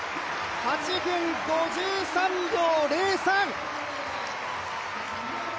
８分５３秒０３！